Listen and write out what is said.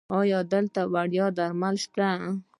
ایا دلته وړیا درمل شته؟